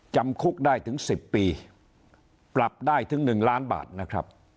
จำคุกได้ถึง๑๐ปีปรับได้ถึง๑ล้านบาทนะครับ